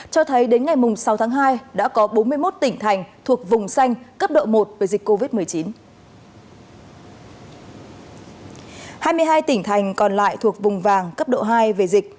cho thấy đến ngày sáu tháng hai đã có bốn mươi một tỉnh thành thuộc vùng xanh cấp độ một về dịch covid một mươi chín